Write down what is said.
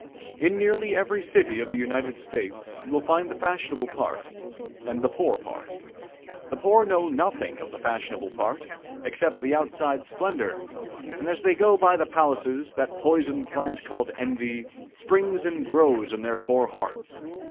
In nearly every city of the United States you will find the fashionable part, and the poor part. The poor know nothing of the fashionable part, except the outside splendor; and as they go by the palaces, that poison plant called envy, springs and grows in their poor hearts.